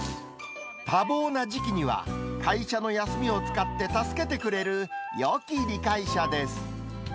多忙な時期には、会社の休みを使って助けてくれるよき理解者です。